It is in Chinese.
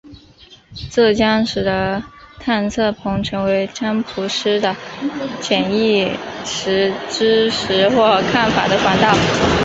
这将使得探测棒成为占卜师的潜意识知识或看法的管道。